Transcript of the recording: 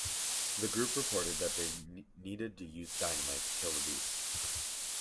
The group reported that they needed to use dynamite to kill the beast.